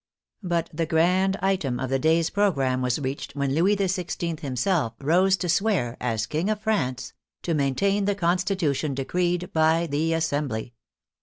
But the grand item of the day's pro gramme was reached when Louis XVI. himself rose to swear, as King of France, to maintain the constitution de creed by the Assembly.